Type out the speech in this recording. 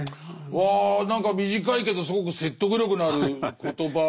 わ何か短いけどすごく説得力のある言葉ですね。